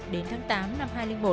đến tháng tám năm hai nghìn một